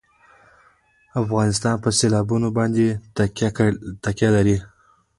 افغانستان په سیلابونه باندې تکیه لري.